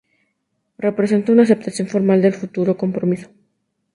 Representa una aceptación formal del futuro compromiso.